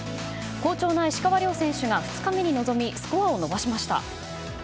好調な石川遼選手が２日目に臨みスコアを伸ばしました。